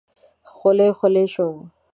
خولې خولې شوم.